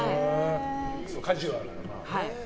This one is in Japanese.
カジュアルなね。